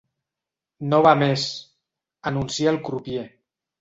No va més! —anuncia el crupier.